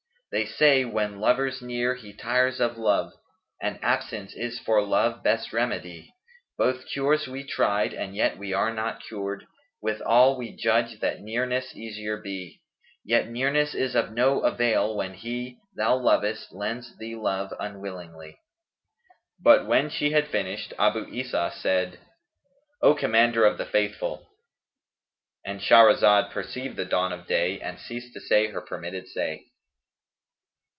They say, when lover's near, he tires of love, * And absence is for love best remedy: Both cures we tried and yet we are not cured, * Withal we judge that nearness easier be: Yet nearness is of no avail when he * Thou lovest lends thee love unwillingly." But when she had finished, Abu Isa said, "O Commander of the Faithful," —And Shahrazad perceived the dawn of day and ceased to say her permitted say.